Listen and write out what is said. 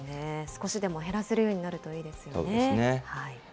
少しでも減らせるようになるといそうですね。